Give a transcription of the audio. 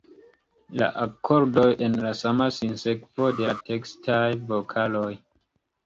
La akordoj en la sama sinsekvo de la tekstaj vokaloj.